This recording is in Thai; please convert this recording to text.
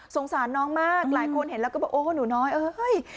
สารน้องมากหลายคนเห็นแล้วก็บอกโอ้หนูน้อยเอ้ย